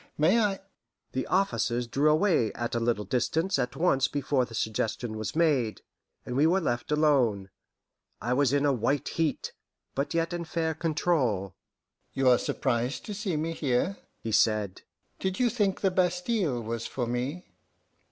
May I " The officers drew away at a little distance at once before the suggestion was made, and we were left alone. I was in a white heat, but yet in fair control. "You are surprised to see me here," he said. "Did you think the Bastile was for me?